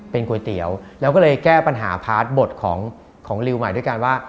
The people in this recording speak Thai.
เป็นก๋วยเตี๋ยวแล้วก็เลยแก้ปัญหาพาร์ทบทของริวใหม่ด้วยกันว่า